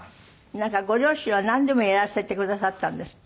なんかご両親はなんでもやらせてくださったんですって？